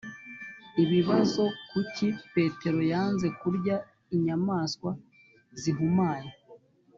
ibibazo kuki petero yanze kurya inyamaswa zihumanye